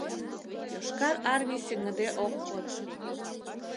Йошкар Армий сеҥыде ок код.